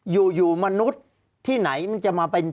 ภารกิจสรรค์ภารกิจสรรค์